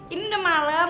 ini udah malem